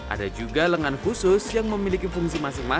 ada juga lengan khusus yang memiliki fungsi penyelenggaraan